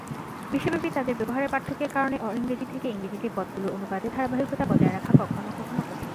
বিশ্বব্যাপী তাদের ব্যবহারের পার্থক্যের কারণে, অ-ইংরেজি থেকে ইংরেজিতে পদগুলির অনুবাদে ধারাবাহিকতা বজায় রাখা কখনও কখনও কঠিন।